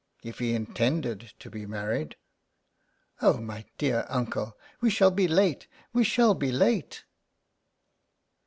... If he intended to be married ''*' Oh, my dear uncle, we shall be late, we shall be late